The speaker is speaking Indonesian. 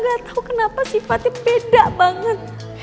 gak tahu kenapa sifatnya beda banget